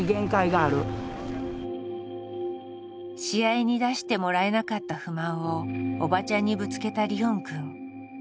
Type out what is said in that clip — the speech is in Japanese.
試合に出してもらえなかった不満をおばちゃんにぶつけたリオンくん。